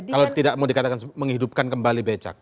kalau tidak mau dikatakan menghidupkan kembali becak